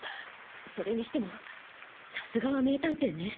それにしてもさすがは名探偵ね。